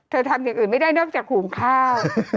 ทำอย่างอื่นไม่ได้นอกจากหุงข้าว